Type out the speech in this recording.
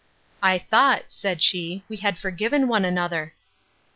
I thought, said she, we had forgiven one another.